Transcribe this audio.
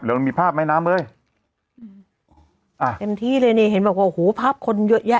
เดี๋ยวมีภาพมายน้ำเลยอ่าเต็มที่เลยนี่เห็นแบบว่าโอ้โหภาพคนเยอะแยะ